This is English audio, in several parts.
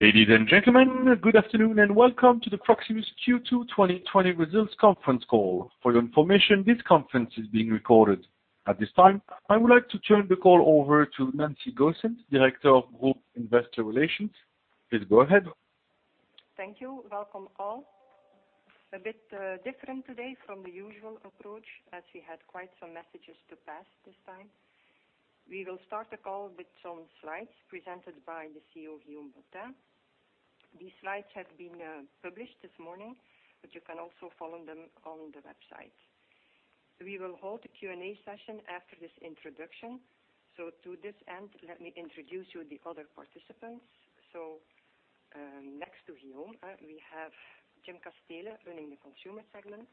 Ladies and gentlemen, good afternoon and welcome to the Proximus Q2 2020 results conference call. For your information, this conference is being recorded. At this time, I would like to turn the call over to Nancy Goossens, Director of Group Investor Relations. Please go ahead. Thank you. Welcome all. A bit different today from the usual approach, as we had quite some messages to pass this time. We will start the call with some slides presented by the CEO, Guillaume Boutin. These slides had been published this morning, you can also follow them on the website. We will hold a Q&A session after this introduction. To this end, let me introduce you the other participants. Next to Guillaume, we have Jim Casteele running the consumer segment.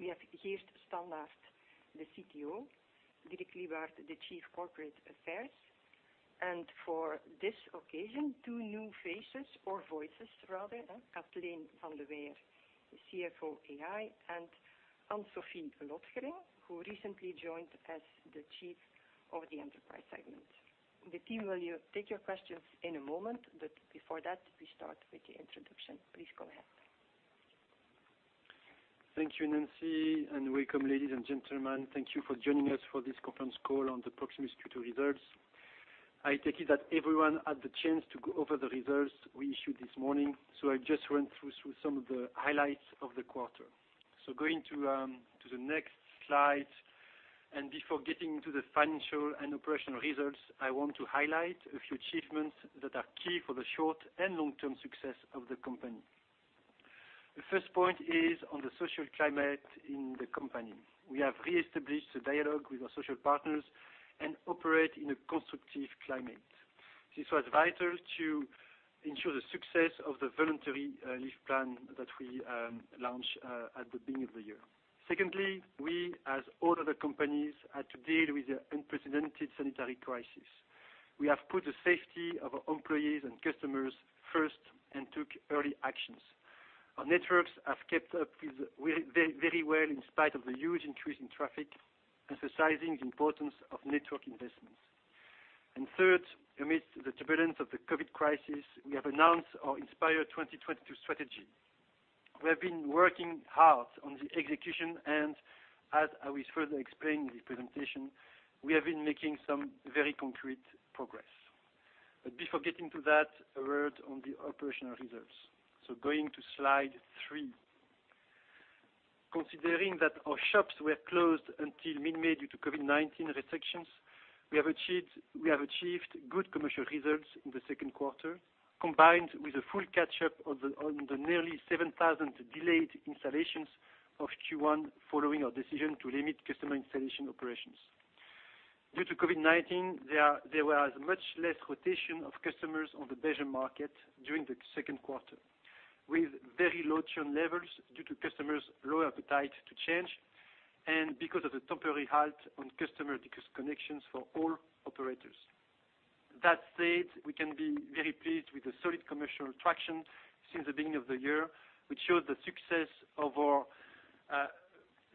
We have Geert Standaert, the CTO, Dirk Lybaert, Chief Corporate Affairs, and for this occasion, two new faces or voices rather, Katleen Vandeweyer, the CFO, AI, and Anne-Sophie Lotgering, who recently joined as the Chief of the Enterprise segment. The team will take your questions in a moment, before that, we start with the introduction. Please go ahead. Thank you, Nancy. Welcome, ladies and gentlemen. Thank you for joining us for this conference call on the Proximus Q2 results. I take it that everyone had the chance to go over the results we issued this morning. I'll just run through some of the highlights of the quarter. Going to the next slide, before getting to the financial and operational results, I want to highlight a few achievements that are key for the short and long-term success of the company. The first point is on the social climate in the company. We have re-established a dialogue with our social partners and operate in a constructive climate. This was vital to ensure the success of the voluntary leave plan that we launched at the beginning of the year. Secondly, we, as all other companies, had to deal with the unprecedented sanitary crisis. We have put the safety of our employees and customers first and took early actions. Our networks have kept up very well in spite of the huge increase in traffic, emphasizing the importance of network investments. Third, amidst the turbulence of the COVID-19 crisis, we have announced our Inspire 2022 strategy. We have been working hard on the execution and as I will further explain in the presentation, we have been making some very concrete progress. Before getting to that, a word on the operational results. Going to slide three. Considering that our shops were closed until mid-May due to COVID-19 restrictions, we have achieved good commercial results in the second quarter, combined with a full catch-up on the nearly 7,000 delayed installations of Q1 following our decision to limit customer installation operations. Due to COVID-19, there was much less rotation of customers on the Belgium market during the second quarter. With very low churn levels due to customers' low appetite to change, and because of the temporary halt on customer disconnections for all operators. That said, we can be very pleased with the solid commercial traction since the beginning of the year, which shows the success of our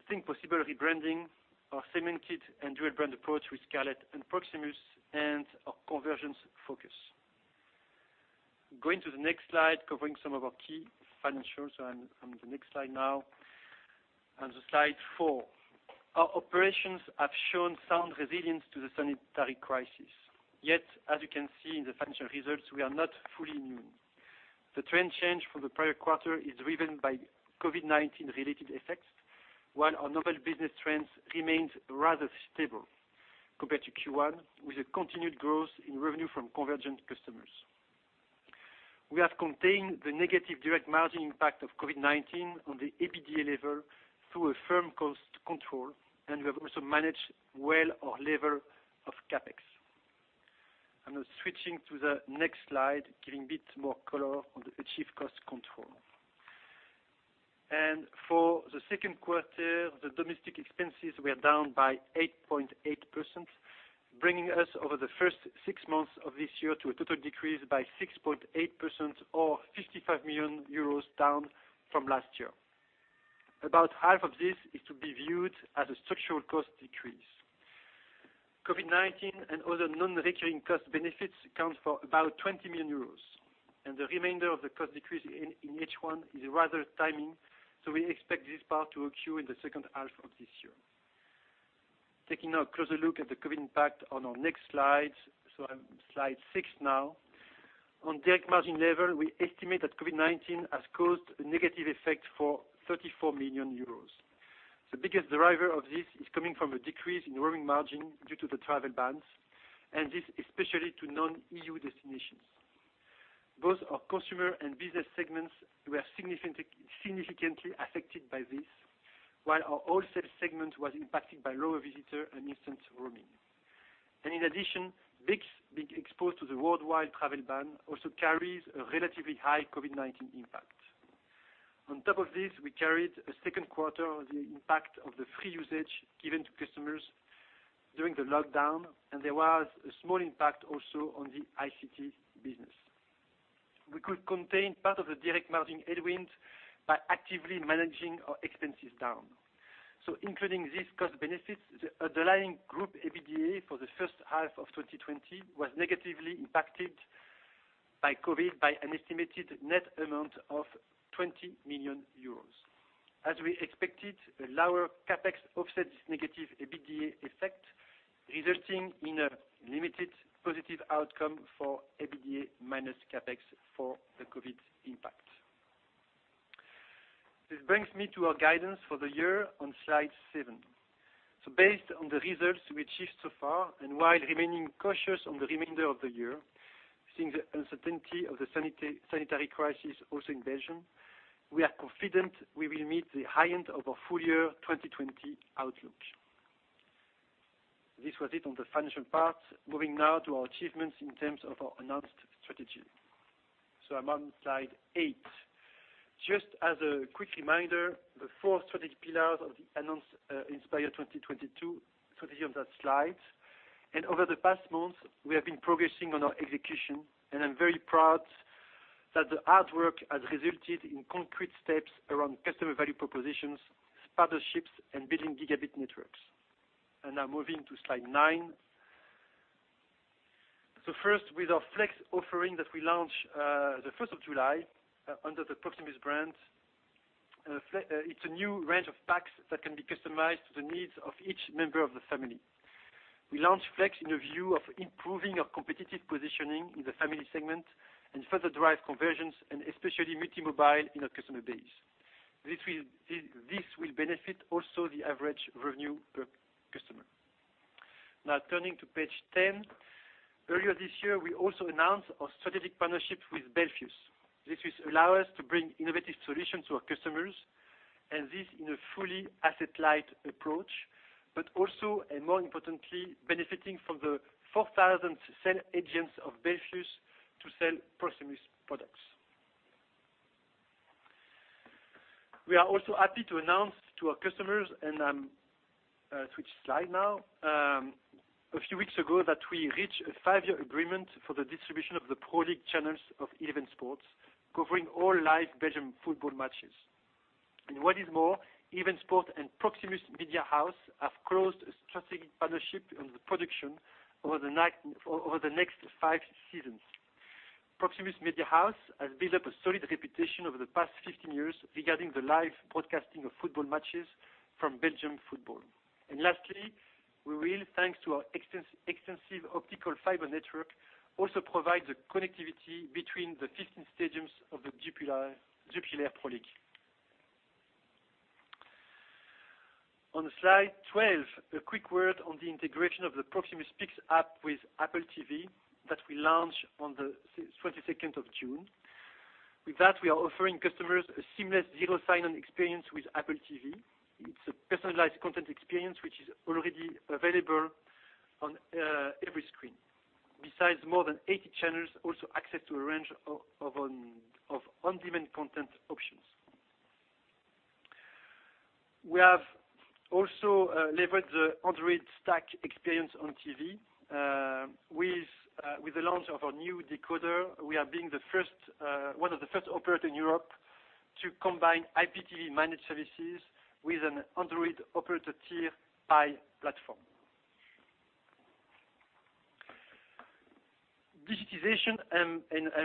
Think Possible rebranding, our segmented and dual-brand approach with Scarlet and Proximus, and our convergence focus. Going to the next slide, covering some of our key financials. I'm on the next slide now. On the slide four. Our operations have shown sound resilience to the sanitary crisis. Yet, as you can see in the financial results, we are not fully immune. The trend change from the prior quarter is driven by COVID-19 related effects, while our novel business trends remained rather stable compared to Q1, with a continued growth in revenue from convergent customers. We have contained the negative direct margin impact of COVID-19 on the EBITDA level through a firm cost control, and we have also managed well our level of CapEx. Now switching to the next slide, giving a bit more color on the achieved cost control. For the second quarter, the domestic expenses were down by 8.8%, bringing us over the first six months of this year to a total decrease by 6.8% or 55 million euros down from last year. About half of this is to be viewed as a structural cost decrease. COVID-19 and other non-recurring cost benefits account for about 20 million euros, the remainder of the cost decrease in H1 is rather timing, we expect this part to accrue in the second half of this year. Taking a closer look at the COVID-19 impact on our next slide. I'm slide six now. On direct margin level, we estimate that COVID-19 has caused a negative effect for 34 million euros. The biggest driver of this is coming from a decrease in roaming margin due to the travel bans, this especially to non-EU destinations. Both our Consumer and Business segments were significantly affected by this, while our Wholesale segment was impacted by lower visitor and instant roaming. In addition, BICS being exposed to the worldwide travel ban also carries a relatively high COVID-19 impact. On top of this, we carried a second quarter of the impact of the free usage given to customers during the lockdown, and there was a small impact also on the ICT business. We could contain part of the direct margin headwind by actively managing our expenses down. Including these cost benefits, the underlying group EBITDA for the first half of 2020 was negatively impacted by COVID-19 by an estimated net amount of 20 million euros. As we expected, a lower CapEx offsets negative EBITDA effect, resulting in a limited positive outcome for EBITDA minus CapEx for the COVID-19 impact. This brings me to our guidance for the year on slide seven. Based on the results we achieved so far, and while remaining cautious on the remainder of the year, seeing the uncertainty of the sanitary crisis also in Belgium, we are confident we will meet the high end of our full year 2020 outlook. This was it on the financial part. Moving now to our achievements in terms of our announced strategy. I'm on slide eight. Just as a quick reminder, the four strategic pillars of the announced #inspire2022 strategy on that slide. Over the past months, we have been progressing on our execution, and I'm very proud that the hard work has resulted in concrete steps around customer value propositions, partnerships, and building gigabit networks. Now moving to slide nine. First, with our Flex offering that we launched the 1st of July, under the Proximus brand. It's a new range of packs that can be customized to the needs of each member of the family. We launched Flex in a view of improving our competitive positioning in the family segment and further drive conversions and especially multi-mobile in our customer base. This will benefit also the average revenue per customer. Now turning to page 10. Earlier this year, we also announced our strategic partnership with Belfius. This will allow us to bring innovative solutions to our customers, and this in a fully asset-light approach, but also, and more importantly, benefiting from the 4,000 sell agents of Belfius to sell Proximus products. We are also happy to announce to our customers, and switch slide now, a few weeks ago that we reached a five-year agreement for the distribution of the Pro League channels of Eleven Sports, covering all live Belgium football matches. What is more, Eleven Sports and Proximus Media House have closed a strategic partnership on the production over the next five seasons. Proximus Media House has built up a solid reputation over the past 15 years regarding the live broadcasting of football matches from Belgian football. Lastly, we will, thanks to our extensive optical fiber network, also provide the connectivity between the 15 stadiums of the Jupiler Pro League. On slide 12, a quick word on the integration of the Proximus Pickx app with Apple TV that we launched on the 22nd of June. With that, we are offering customers a seamless zero sign-in experience with Apple TV. It's a personalized content experience which is already available on every screen. Besides more than 80 channels, also access to a range of on-demand content options. We have also leveraged the Android Operator Tier experience on TV. With the launch of our new decoder, we are one of the first operator in Europe to combine IPTV managed services with an Android Operator Tier Pie platform. Digitization, I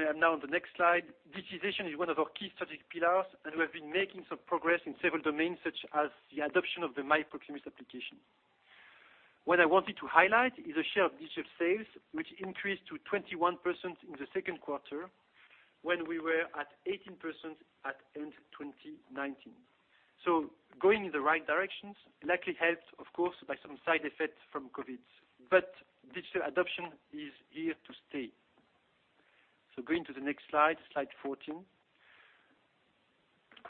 am now on the next slide. Digitization is one of our key strategic pillars. We have been making some progress in several domains such as the adoption of the MyProximus application. What I wanted to highlight is the share of digital sales, which increased to 21% in the second quarter, when we were at 18% at end 2019. Going in the right directions, likely helped, of course, by some side effect from COVID. Digital adoption is here to stay. Going to the next slide 14.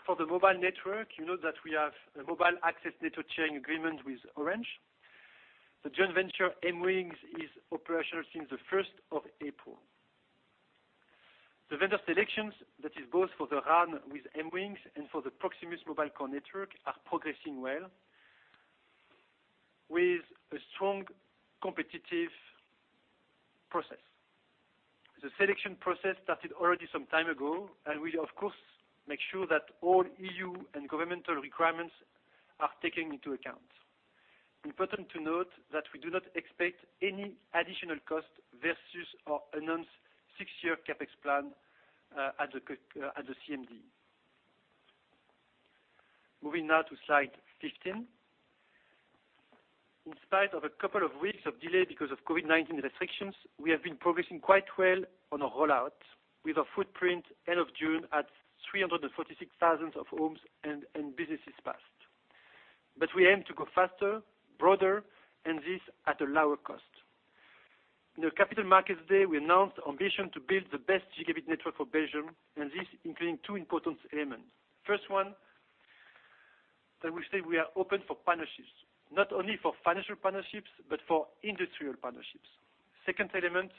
For the mobile network, you know that we have a mobile access network sharing agreement with Orange. The joint venture, MWingz, is operational since the 1st of April. The vendor selections, that is both for the RAN with MWingz and for the Proximus mobile core network, are progressing well with a strong competitive process. The selection process started already some time ago and we, of course, make sure that all EU and governmental requirements are taken into account. Important to note that we do not expect any additional cost versus our announced six-year CapEx plan at the CMD. Moving now to slide 15. In spite of a couple of weeks of delay because of COVID-19 restrictions, we have been progressing quite well on our rollout with our footprint end of June at 346,000 of homes and businesses passed. We aim to go faster, broader, and this at a lower cost. In the Capital Markets Day, we announced our ambition to build the best gigabit network for Belgium, and this including two important elements. First one, that we say we are open for partnerships, not only for financial partnerships, but for industrial partnerships. Second element,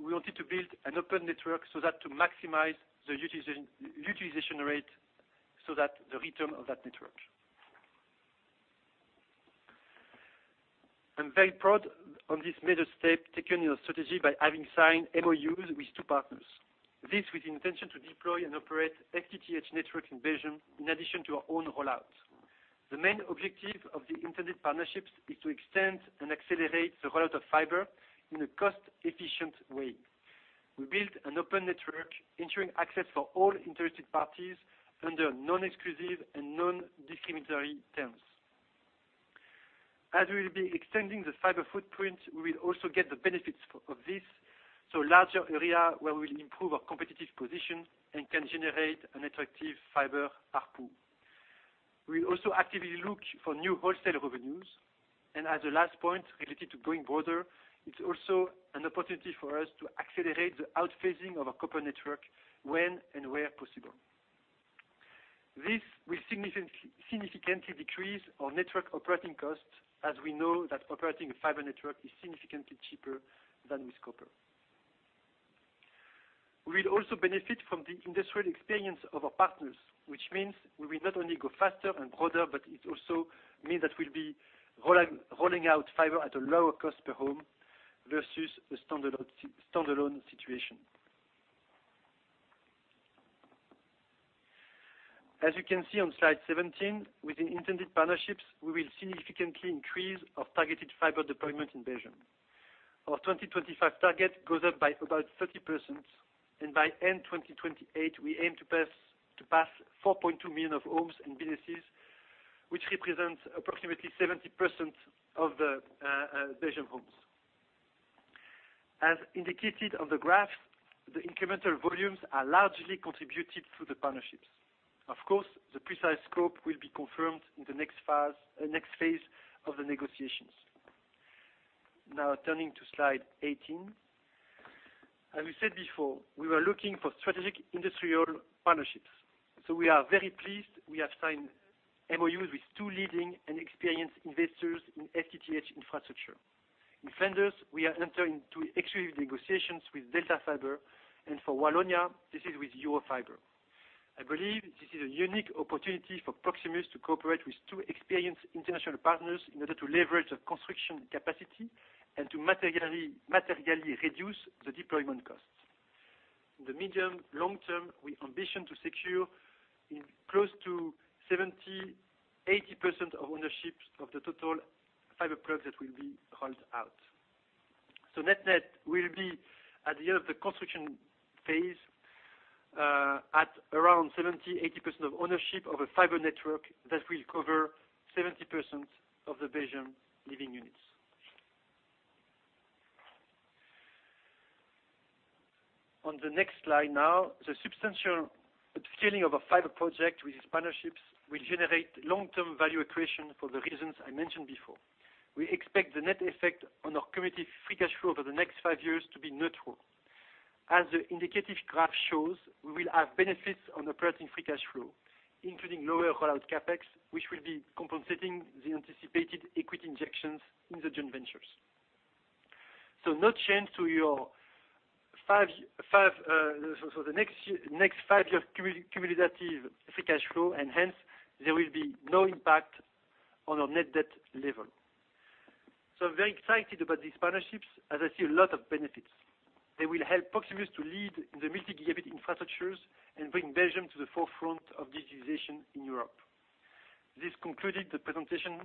we wanted to build an open network so that to maximize the utilization rate so that the return of that network. I'm very proud on this major step taken in our strategy by having signed MOUs with two partners. This with the intention to deploy and operate XGS-PON network in Belgium in addition to our own rollout. The main objective of the intended partnerships is to extend and accelerate the rollout of fiber in a cost-efficient way. We build an open network ensuring access for all interested parties under non-exclusive and non-discriminatory terms. As we'll be extending the fiber footprint, we will also get the benefits of this, so larger area where we'll improve our competitive position and can generate an attractive fiber ARPU. We'll also actively look for new wholesale revenues. As a last point related to going broader, it's also an opportunity for us to accelerate the outphasing of our copper network when and where possible. This will significantly decrease our network operating costs, as we know that operating a fiber network is significantly cheaper than with copper. We'll also benefit from the industrial experience of our partners, which means we will not only go faster and broader, but it also means that we'll be rolling out fiber at a lower cost per home versus a standalone situation. As you can see on slide 17, with the intended partnerships, we will significantly increase our targeted fiber deployment in Belgium. Our 2025 target goes up by about 30%, and by end 2028, we aim to pass 4.2 million of homes and businesses, which represents approximately 70% of the Belgian homes. As indicated on the graph, the incremental volumes are largely contributed through the partnerships. Of course, the precise scope will be confirmed in the next phase of the negotiations. Now turning to slide 18. As we said before, we were looking for strategic industrial partnerships. We are very pleased we have signed MOUs with two leading and experienced investors in XGS-PON infrastructure. In Flanders, we are entering into exclusive negotiations with DELTA Fiber, and for Wallonia, this is with Eurofiber. I believe this is a unique opportunity for Proximus to cooperate with two experienced international partners in order to leverage the construction capacity and to materially reduce the deployment costs. In the medium long term, we ambition to secure in close to 70%-80% of ownership of the total fiber product that will be rolled out. Net net will be at the end of the construction phase, at around 70%-80% of ownership of a fiber network that will cover 70% of the Belgian living units. On the next slide now, the substantial upscaling of a fiber project with these partnerships will generate long-term value accretion for the reasons I mentioned before. We expect the net effect on our cumulative free cash flow over the next five years to be neutral. As the indicative graph shows, we will have benefits on operating free cash flow, including lower rollout CapEx, which will be compensating the anticipated equity injections in the joint ventures. No change to the next five years cumulative free cash flow, and hence, there will be no impact on our net debt level. I'm very excited about these partnerships, as I see a lot of benefits. They will help Proximus to lead in the multi-gigabit infrastructures and bring Belgium to the forefront of digitization in Europe. This concluded the presentation,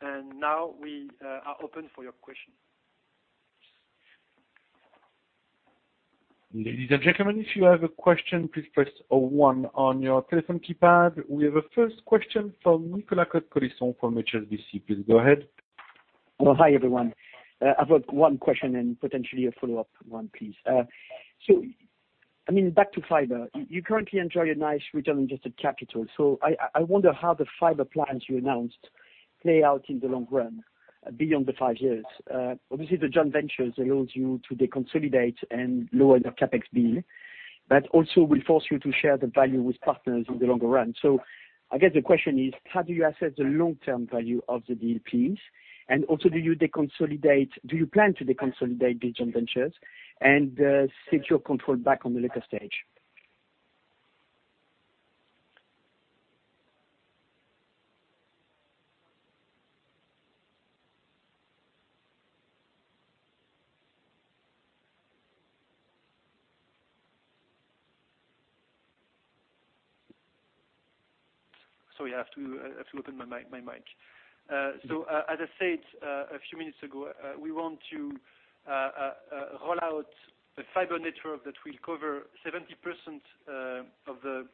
and now we are open for your questions. Ladies and gentlemen, if you have a question, please press zero one on your telephone keypad. We have a first question from Nicolas Cote-Colisson from HSBC. Please go ahead. Hi, everyone. I've got one question and potentially a follow-up one, please. Back to fiber. You currently enjoy a nice return on invested capital. I wonder how the fiber plans you announced play out in the long run beyond the five years. Obviously, the joint ventures allows you to deconsolidate and lower the CapEx bill, but also will force you to share the value with partners in the longer run. I guess the question is, how do you assess the long-term value of the DLPs? Also, do you plan to deconsolidate these joint ventures and seek your control back on the later stage? Sorry, I have to open my mic. As I said a few minutes ago, we want to roll out a fiber network that will cover 70% of the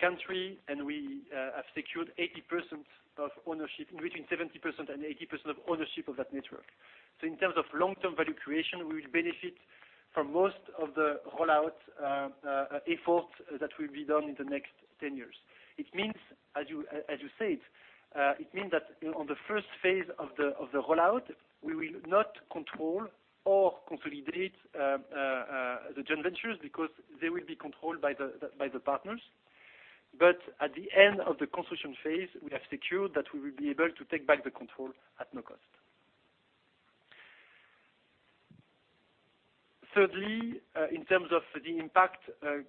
country. We have secured 80% of ownership, in between 70% and 80% of ownership of that network. In terms of long-term value creation, we will benefit from most of the rollout efforts that will be done in the next 10 years. As you said, it means that on the first phase of the rollout, we will not control or consolidate the joint ventures because they will be controlled by the partners. At the end of the construction phase, we have secured that we will be able to take back the control at no cost. Thirdly, in terms of the impact,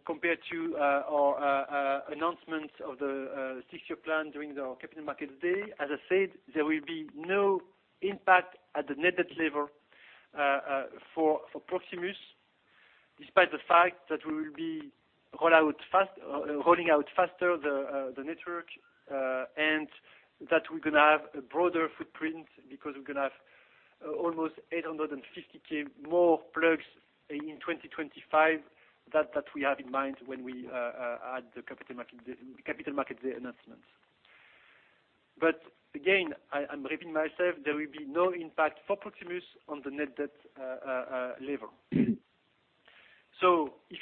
compared to our announcements of the six-year plan during our Capital Markets Day, as I said, there will be no impact at the net debt level for Proximus, despite the fact that we will be rolling out faster the network, and that we're going to have a broader footprint because we're going to have almost 850K more plugs in 2025 that we have in mind when we had the Capital Markets Day announcements. Again, I'm repeating myself, there will be no impact for Proximus on the net debt level. If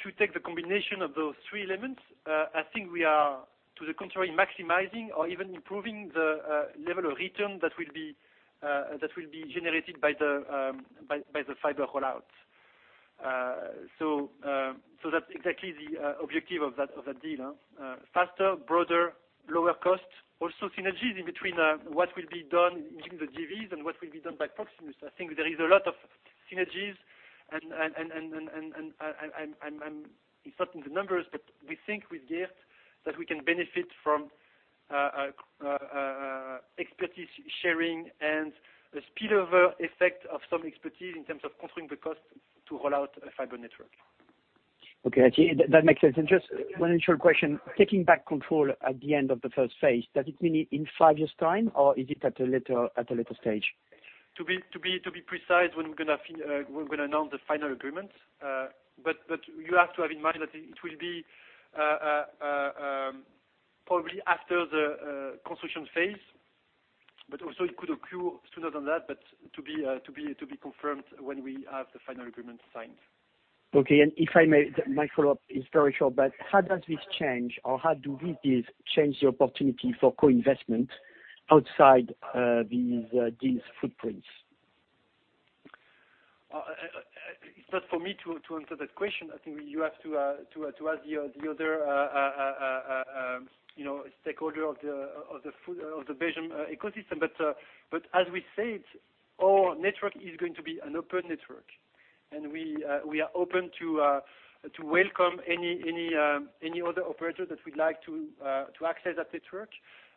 you take the combination of those three elements, I think we are, to the contrary, maximizing or even improving the level of return that will be generated by the fiber rollout. That's exactly the objective of that deal. Faster, broader, lower cost. Synergies in between what will be done in the JVs and what will be done by Proximus. I think there is a lot of synergies, and I'm inserting the numbers, but we think with Geert that we can benefit from expertise sharing and a spillover effect of some expertise in terms of controlling the cost to roll out a fiber network. Okay. I see. That makes sense. Just one short question. Taking back control at the end of the first phase, does it mean in five years' time or is it at a later stage? To be precise, when we're going to announce the final agreement. You have to have in mind that it will be probably after the construction phase, but also it could occur sooner than that. To be confirmed when we have the final agreement signed. Okay. If I may, my follow-up is very short. How does this change or how do these deals change the opportunity for co-investment outside these footprints? It's not for me to answer that question. I think you have to ask the other stakeholder of the Belgian ecosystem. As we said, our network is going to be an open network. We are open to welcome any other operator that would like to access that network.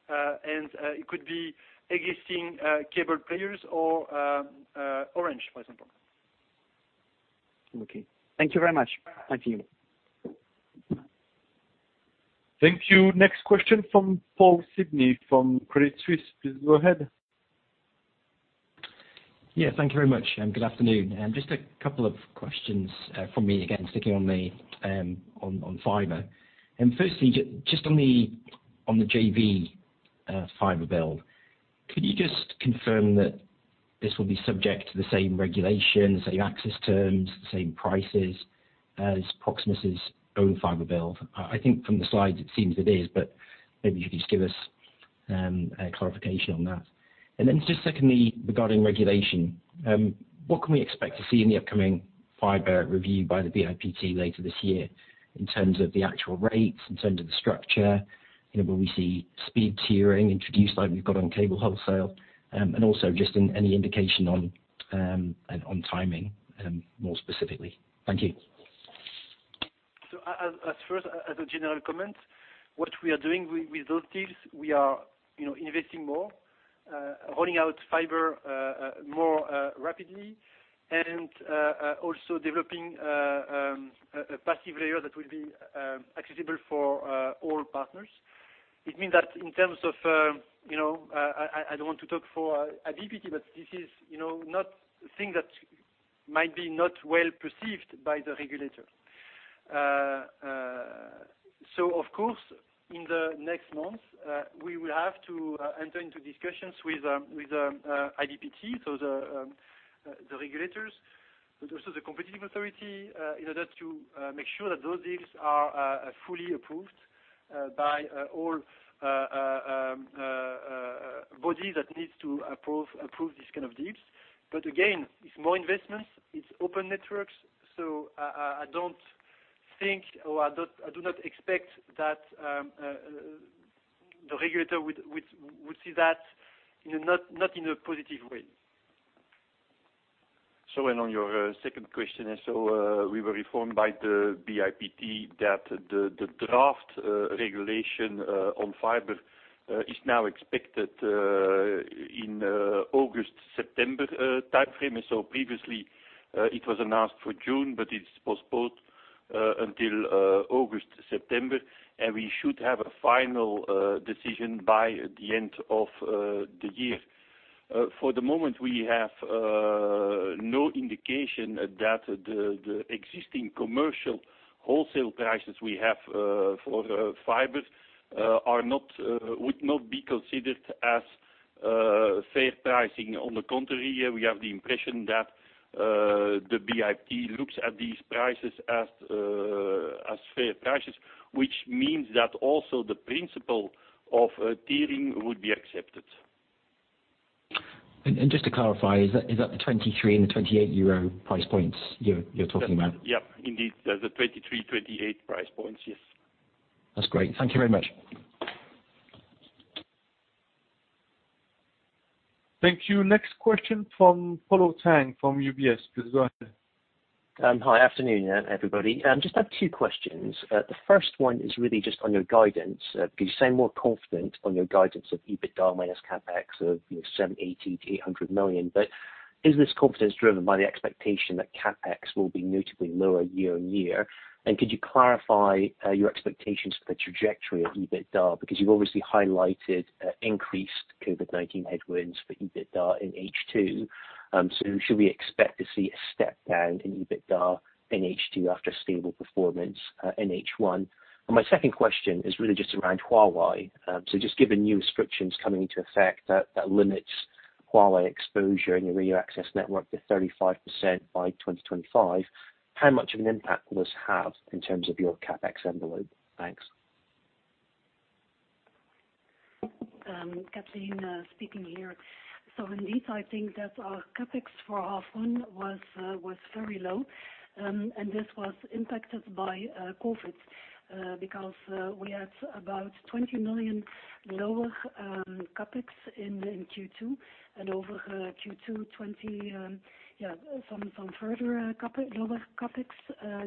It could be existing cable players or Orange, for example. Okay. Thank you very much. I hear you. Thank you. Next question from Paul Sidney from Credit Suisse. Please go ahead. Yeah, thank you very much. Good afternoon. Just a couple of questions from me, again, sticking on fiber. Firstly, just on the JV fiber build, could you just confirm that this will be subject to the same regulations, same access terms, same prices as Proximus' own fiber build? I think from the slide it seems it is, but maybe if you could just give us clarification on that. Then just secondly, regarding regulation, what can we expect to see in the upcoming fiber review by the BIPT later this year in terms of the actual rates, in terms of the structure? Will we see speed tiering introduced like we've got on cable wholesale? Also, just any indication on timing more specifically. Thank you. As first, as a general comment, what we are doing with those deals, we are investing more, rolling out fiber more rapidly, and also developing a passive layer that will be accessible for all partners. It means that in terms of, I don't want to talk for BIPT, but this is not a thing that might be not well perceived by the regulator. Of course, in the next month, we will have to enter into discussions with BIPT, so the regulators, but also the competitive authority, in order to make sure that those deals are fully approved by all bodies that needs to approve this kind of deals. Again, it's more investments, it's open networks. I do not expect that the regulator would see that not in a positive way. On your second question, we were informed by the BIPT that the draft regulation on fiber is now expected in August, September timeframe. Previously, it was announced for June, but it's postponed until August, September, and we should have a final decision by the end of the year. For the moment, we have no indication that the existing commercial wholesale prices we have for fiber would not be considered as fair pricing. On the contrary, we have the impression that the BIPT looks at these prices as fair prices, which means that also the principle of tiering would be accepted. Just to clarify, is that the 23 and the 28 euro price points you're talking about? Yep. Indeed. The 23, 28 price points. Yes. That's great. Thank you very much. Thank you. Next question from Polo Tang from UBS. Please go ahead. Hi. Afternoon, everybody. Just have two questions. The first one is really just on your guidance. You sound more confident on your guidance of EBITDA minus CapEx of 780 million to 800 million. Is this confidence driven by the expectation that CapEx will be notably lower year-on-year? Could you clarify your expectations for the trajectory of EBITDA? You've obviously highlighted increased COVID-19 headwinds for EBITDA in H2. Should we expect to see a step down in EBITDA in H2 after stable performance in H1? My second question is really just around Huawei. Just given new restrictions coming into effect that limits Huawei exposure in your radio access network to 35% by 2025, how much of an impact will this have in terms of your CapEx envelope? Thanks. Katleen speaking here. Indeed, I think that our CapEx for half one was very low, this was impacted by COVID because we had about 20 million lower CapEx in Q2 and over Q2 2020, some further lower CapEx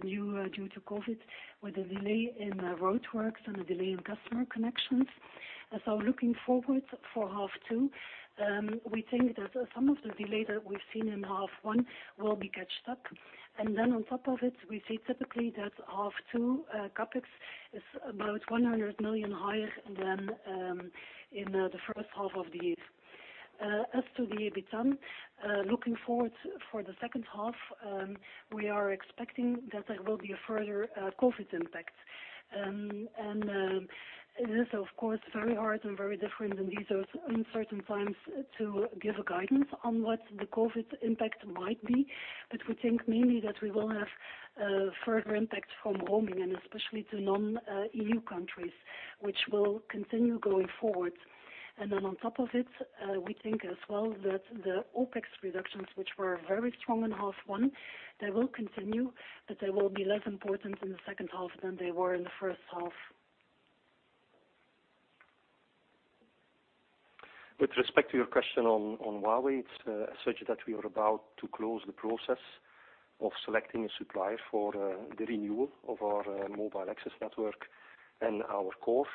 due to COVID, with a delay in roadworks and a delay in customer connections. Looking forward for half two, we think that some of the delay that we've seen in half one will be catched up. On top of it, we see typically that half two CapEx is about 100 million higher than in the first half of the year. As to the EBITDA, looking forward for the second half, we are expecting that there will be a further COVID impact. It is of course very hard and very different in these uncertain times to give a guidance on what the COVID impact might be. We think mainly that we will have a further impact from roaming and especially to non-EU countries, which will continue going forward. On top of it, we think as well that the OpEx reductions, which were very strong in half one, they will continue, but they will be less important in the second half than they were in the first half. With respect to your question on Huawei, it is such that we are about to close the process of selecting a supplier for the renewal of our mobile access network and our core.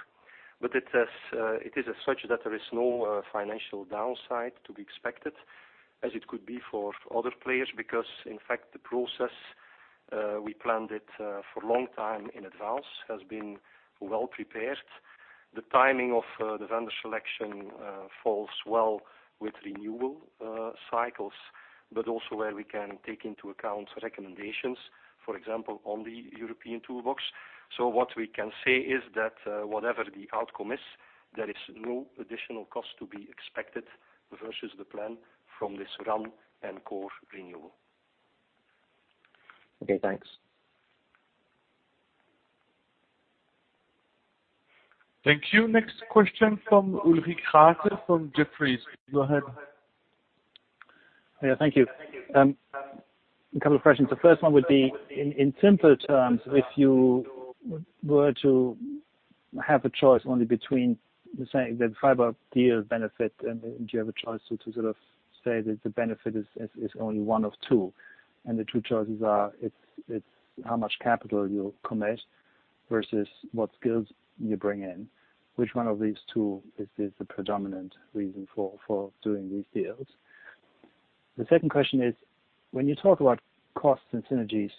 It is such that there is no financial downside to be expected as it could be for other players, because in fact, the process, we planned it for long time in advance, has been well prepared. The timing of the vendor selection falls well with renewal cycles, but also where we can take into account recommendations, for example, on the European Toolbox. What we can say is that, whatever the outcome is, there is no additional cost to be expected versus the plan from this RAN and core renewal. Okay, thanks. Thank you. Next question from Ulrich Rathe from Jefferies. Go ahead. Thank you. A couple of questions. The first one would be, in simpler terms, if you were to have a choice only between the fiber deal benefit, and you have a choice to say that the benefit is only one of two, and the two choices are, it's how much capital you'll commit versus what skills you bring in. Which one of these two is the predominant reason for doing these deals? The second question is, when you talk about costs and synergies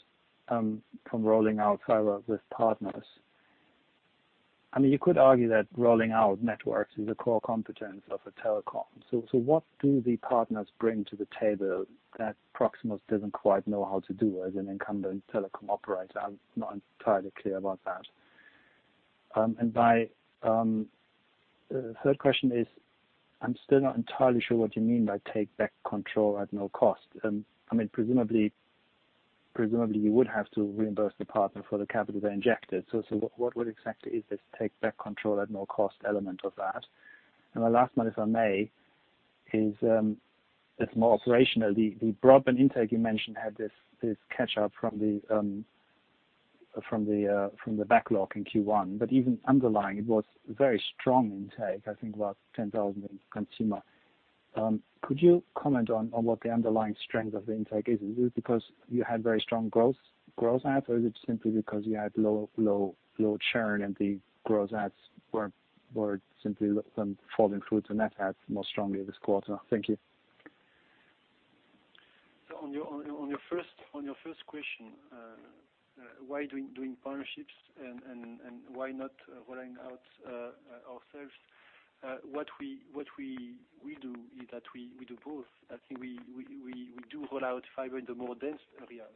from rolling out fiber with partners, you could argue that rolling out networks is a core competence of a telecom. What do the partners bring to the table that Proximus doesn't quite know how to do as an incumbent telecom operator? I'm not entirely clear about that. The third question is, I'm still not entirely sure what you mean by take back control at no cost. Presumably, you would have to reimburse the partner for the capital they injected. What exactly is this take back control at no cost element of that? My last one, if I may, is more operational. The broadband intake you mentioned had this catch up from the backlog in Q1, but even underlying, it was very strong intake, I think about 10,000 in consumer. Could you comment on what the underlying strength of the intake is? Is it because you had very strong growth adds, or is it simply because you had low churn and the growth adds were simply falling through to net adds more strongly this quarter? Thank you. On your first question, why doing partnerships and why not rolling out ourselves? What we do is that we do both. I think we do roll out fiber in the more dense areas,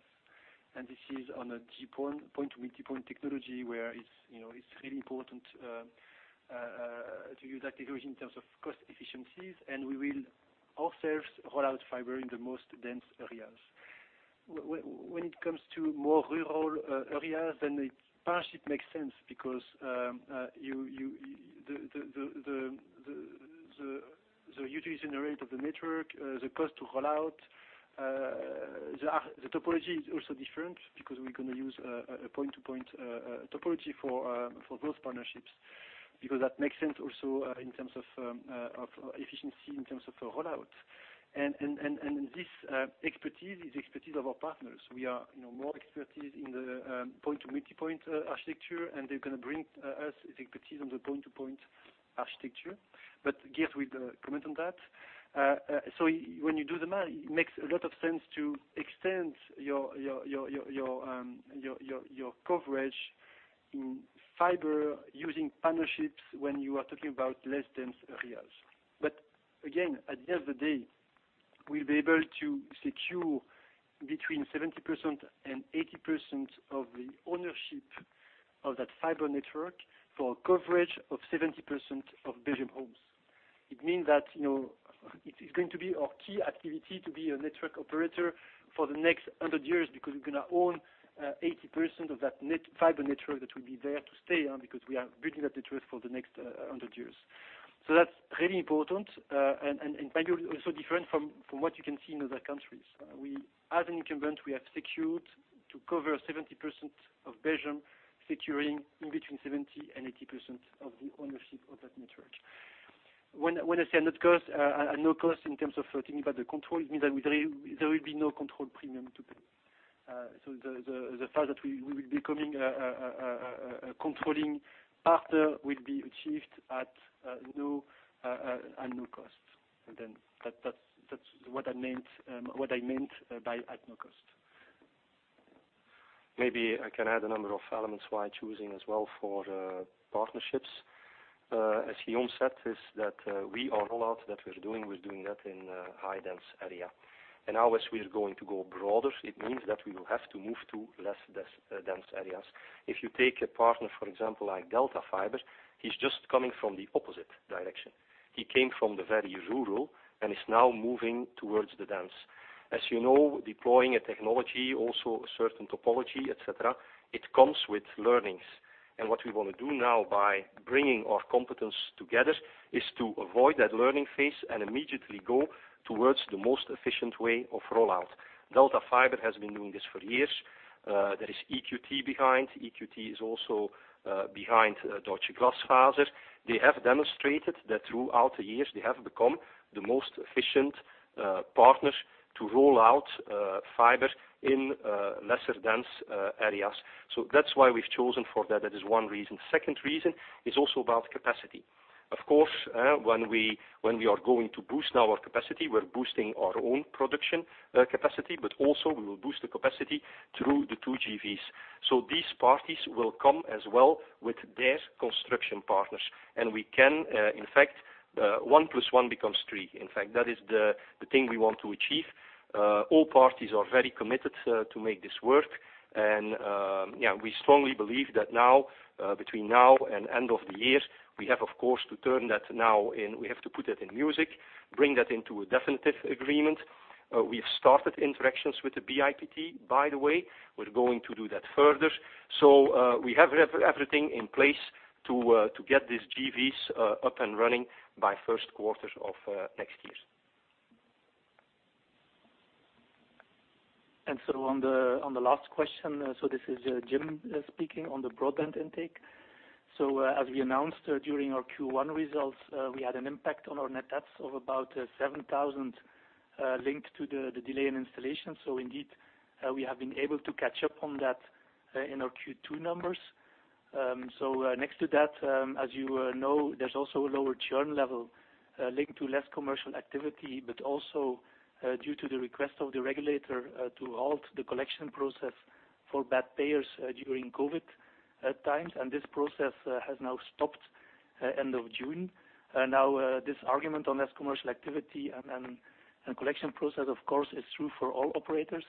and this is on a point-to-multipoint technology where it's really important to use that technology in terms of cost efficiencies, and we will ourselves roll out fiber in the most dense areas. When it comes to more rural areas, the partnership makes sense because the utilization rate of the network, the cost to roll out. The topology is also different because we're going to use a point-to-point topology for those partnerships, because that makes sense also in terms of efficiency, in terms of the rollout. This expertise is the expertise of our partners. We are more expertise in the point-to-multipoint architecture, and they're going to bring us expertise on the point-to-point architecture. Geert will comment on that. When you do the math, it makes a lot of sense to extend your coverage in fiber using partnerships when you are talking about less dense areas. Again, at the end of the day, we'll be able to secure between 70% and 80% of the ownership of that fiber network for a coverage of 70% of Belgium homes. It means that it's going to be our key activity to be a network operator for the next 100 years, because we're going to own 80% of that fiber network that will be there to stay, because we are building that network for the next 100 years. That's really important, and maybe also different from what you can see in other countries. As an incumbent, we have secured to cover 70% of Belgium, securing in between 70% and 80% of the ownership of that network. When I say at no cost in terms of thinking about the control, it means that there will be no control premium to pay. The fact that we will be becoming a controlling partner will be achieved at no cost. That's what I meant by at no cost. Maybe I can add a number of elements why choosing as well for partnerships. As Guillaume said, is that we, our rollout that we're doing, we're doing that in high dense area. Now as we are going to go broader, it means that we will have to move to less dense areas. If you take a partner, for example, like DELTA Fiber, he's just coming from the opposite direction. He came from the very rural and is now moving towards the dense. As you know, deploying a technology, also a certain topology, et cetera, it comes with learnings. What we want to do now by bringing our competence together is to avoid that learning phase and immediately go towards the most efficient way of rollout. DELTA Fiber has been doing this for years. There is EQT behind. EQT is also behind Deutsche Glasfaser. They have demonstrated that throughout the years they have become the most efficient partners to roll out fiber in lesser dense areas. That's why we've chosen for that. That is one reason. Second reason is also about capacity. Of course, when we are going to boost now our capacity, we're boosting our own production capacity, but also we will boost the capacity through the two JVs. These parties will come as well with their construction partners, and we can, in fact, one plus one becomes three. In fact, that is the thing we want to achieve. All parties are very committed to make this work. We strongly believe that between now and end of the year, we have, of course, to turn that now and we have to put it in music, bring that into a definitive agreement. We've started interactions with the BIPT, by the way. We're going to do that further. We have everything in place to get these JVs up and running by first quarter of next year. On the last question, this is Jim speaking on the broadband intake. As we announced during our Q1 results, we had an impact on our net adds of about 7,000 linked to the delay in installation. Indeed, we have been able to catch up on that in our Q2 numbers. Next to that, as you know, there's also a lower churn level linked to less commercial activity, but also due to the request of the regulator to halt the collection process for bad payers during COVID times. This process has now stopped end of June. This argument on less commercial activity and collection process, of course, is true for all operators.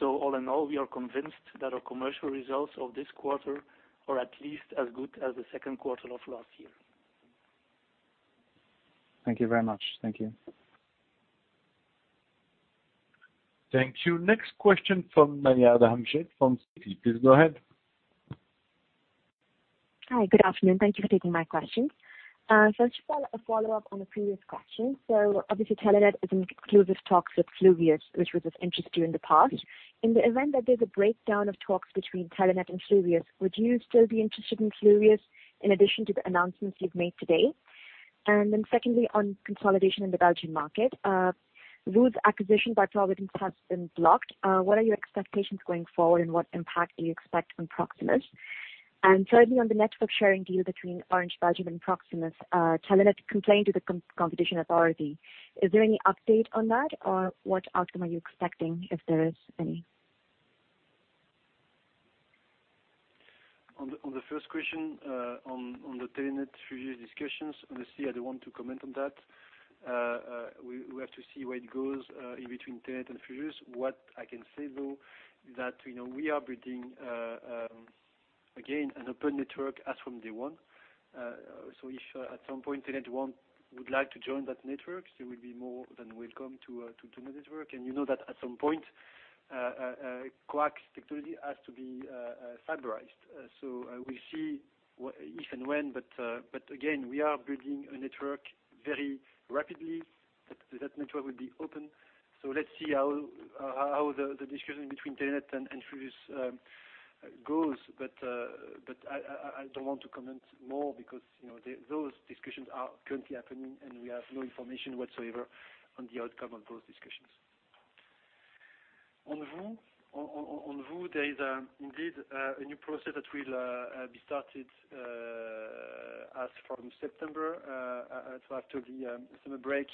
All in all, we are convinced that our commercial results of this quarter are at least as good as the second quarter of last year. Thank you very much. Thank you. Thank you. Next question from [Mariada Hamchet] from Citi. Please go ahead. Hi, good afternoon. Thank you for taking my questions. Just a follow-up on a previous question. Telenet is in exclusive talks with Fluvius, which was of interest to you in the past. In the event that there's a breakdown of talks between Telenet and Fluvius, would you still be interested in Fluvius in addition to the announcements you've made today? Secondly, on consolidation in the Belgian market. VOO's acquisition by Providence has been blocked. What are your expectations going forward, and what impact do you expect on Proximus? Thirdly, on the network sharing deal between Orange Belgium and Proximus, Telenet complained to the Competition Authority. Is there any update on that? What outcome are you expecting if there is any? On the first question, on the Telenet-Fluvius discussions, honestly, I don't want to comment on that. We have to see where it goes in between Telenet and Fluvius. What I can say, though, is that we are building, again, an open network as from day one. If at some point Telenet would like to join that network, they will be more than welcome to do network. You know that coax technology has to be fiberized. We see if and when, but again, we are building a network very rapidly. That network will be open. Let's see how the discussion between Telenet and Fluvius goes. I don't want to comment more because those discussions are currently happening, and we have no information whatsoever on the outcome of those discussions. On VOO, there is indeed a new process that will be started as from September. After the summer break.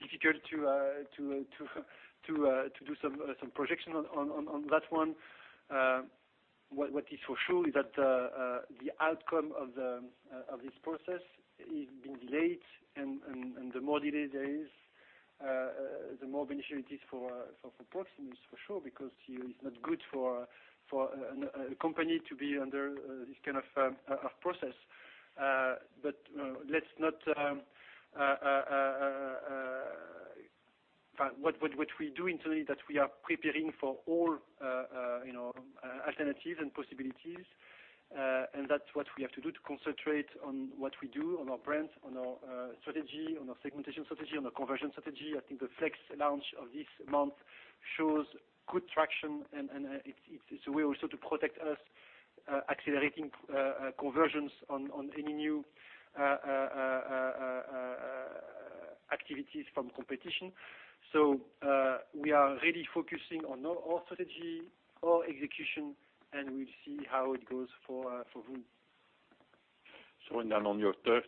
Difficult to do some projection on that one. What is for sure is that the outcome of this process is being delayed, and the more delayed there is, the more beneficial it is for Proximus for sure, because it's not good for a company to be under this kind of process. What we do internally that we are preparing for all alternatives and possibilities. That's what we have to do to concentrate on what we do on our brand, on our strategy, on our segmentation strategy, on our conversion strategy. I think the Flex launch of this month shows good traction, and it's a way also to protect us, accelerating conversions on any new activities from competition. We are really focusing on our strategy, our execution, and we'll see how it goes for VOO. On your third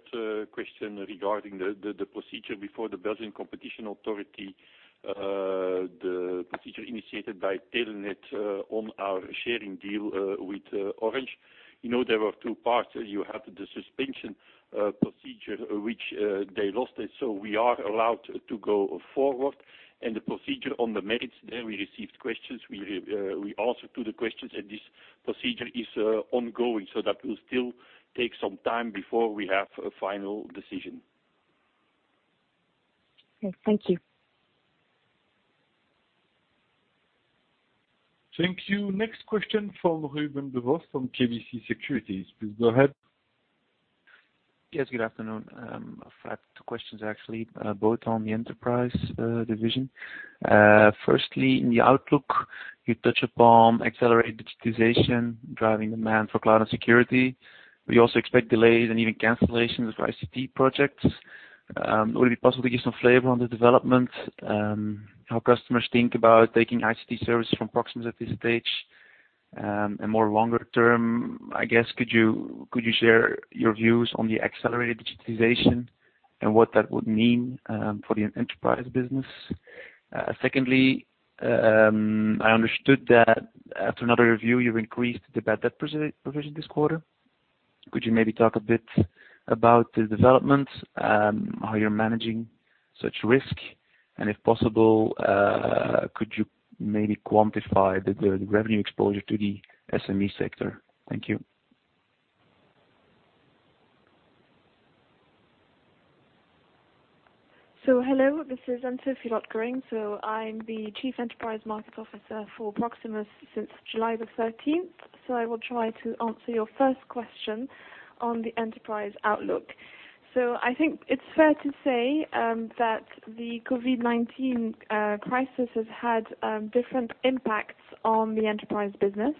question regarding the procedure before the Belgian competition authority, the procedure initiated by Telenet on our sharing deal with Orange. There were two parts. You had the suspension procedure, which they lost it. We are allowed to go forward. The procedure on the merits, there we received questions. We answered to the questions and this procedure is ongoing, that will still take some time before we have a final decision. Okay. Thank you. Thank you. Next question from Ruben Devos from KBC Securities, please go ahead. Yes, good afternoon. I've two questions actually, both on the enterprise division. Firstly, in the outlook, you touch upon accelerated digitization driving demand for cloud and security. We also expect delays and even cancellations for ICT projects. Would it be possible to give some flavor on the development, how customers think about taking ICT services from Proximus at this stage? More longer term, I guess, could you share your views on the accelerated digitization and what that would mean for the enterprise business? Secondly, I understood that after another review, you've increased the bad debt provision this quarter. Could you maybe talk a bit about the development, how you're managing such risk? If possible, could you maybe quantify the revenue exposure to the SME sector? Thank you. Hello, this is Anne-Sophie Lotgering. I'm the Chief Enterprise Market Officer for Proximus since July the 13th. I will try to answer your first question on the enterprise outlook. I think it's fair to say that the COVID-19 crisis has had different impacts on the enterprise business.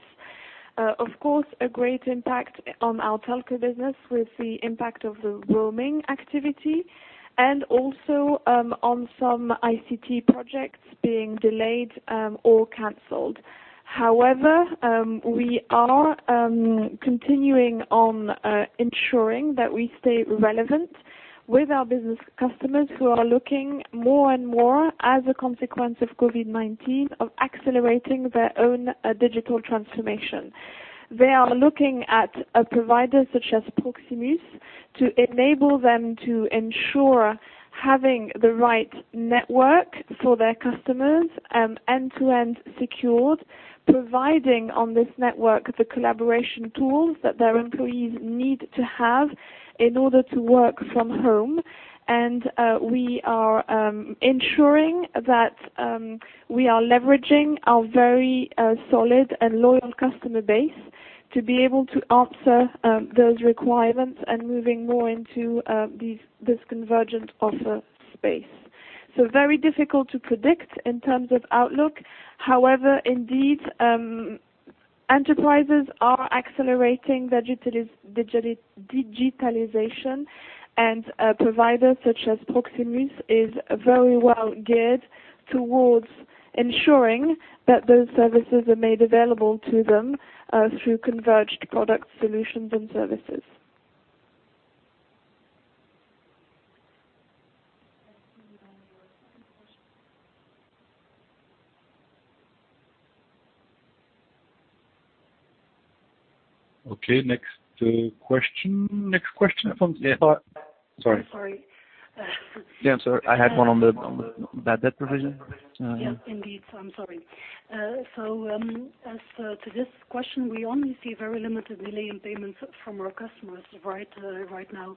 Of course, a great impact on our telco business with the impact of the roaming activity and also, on some ICT projects being delayed or canceled. However, we are continuing on ensuring that we stay relevant with our business customers who are looking more and more as a consequence of COVID-19, of accelerating their own digital transformation. They are looking at a provider such as Proximus to enable them to ensure having the right network for their customers, end-to-end secured, providing on this network the collaboration tools that their employees need to have in order to work from home. We are ensuring that we are leveraging our very solid and loyal customer base to be able to answer those requirements and moving more into this convergent offer space. Very difficult to predict in terms of outlook. However, indeed, enterprises are accelerating digitalization, and a provider such as Proximus is very well geared towards ensuring that those services are made available to them through converged product solutions and services. I see on your second question. Okay, next question. Yeah. Sorry. Sorry. Yeah, sorry. I had one on the bad debt provision. Indeed. I'm sorry. As to this question, we only see very limited delay in payments from our customers right now.